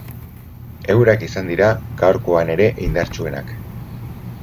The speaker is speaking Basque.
Eurak izan dira gaurkoan ere indartsuenak.